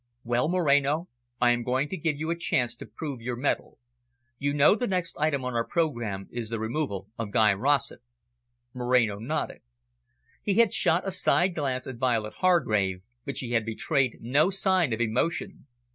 "Well, Moreno, I am going to give you a chance to prove your mettle. You know the next item on our programme is the removal of Guy Rossett." Moreno nodded. He had shot a side glance at Violet Hargrave, but she had betrayed no sign of emotion.